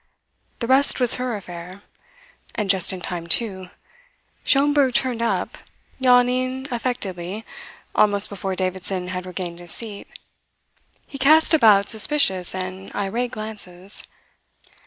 The rest was her affair. And just in time, too. Schomberg turned up, yawning affectedly, almost before Davidson had regained his seat. He cast about suspicious and irate glances.